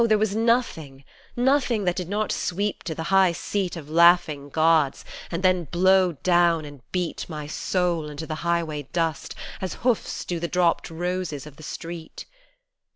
there was nothing, nothing that did not sweep to the high seat Of laughing gods, and then blow down and beat My soul into the highway dust, as hoofs do the dropped roses of the street.